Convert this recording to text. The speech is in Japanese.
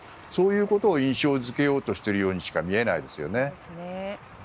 そういうことを印象付けようとしているようにしか見えないですね。